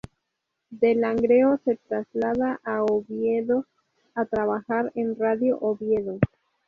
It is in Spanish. De Langreo se traslada a Oviedo a trabajar en Radio Oviedo.